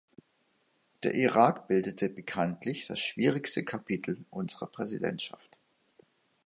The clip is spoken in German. Der Irak bildete bekanntlich das schwierigste Kapitel unserer Präsidentschaft.